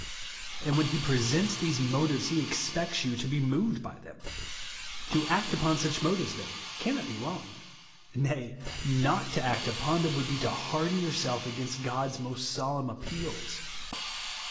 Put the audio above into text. And when he presents these motives, he expects you to be moved by them. To act upon such motives, then, cannot be v>^rong. Nay, not to act upon them, would be to harden yourself against God's most solemn appeals.